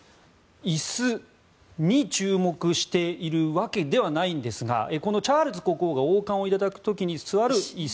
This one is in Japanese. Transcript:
椅子に注目しているわけではないんですがチャールズ国王が王冠をいただく時に座る椅子